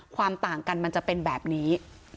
ความต่างกันมันจะเป็นแบบนี้